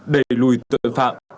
đẩy lùi tội phạm